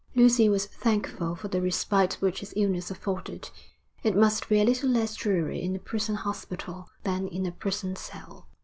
Lucy was thankful for the respite which his illness afforded. It must be a little less dreary in a prison hospital than in a prison cell.